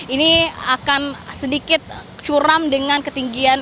ini akan sedikit curam dengan ketinggian